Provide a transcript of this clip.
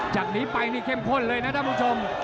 จากนี้ไปนี่เข้มข้นเลยนะท่านผู้ชม